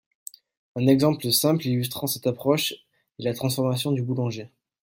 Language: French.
Un exemple simple illustrant cette approche est la transformation du boulanger.